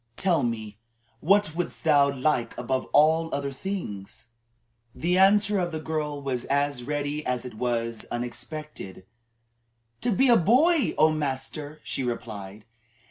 Tell me what wouldst thou like above all other things?" The answer of the girl was as ready as it was unexpected. "To be a boy, O master!" she replied.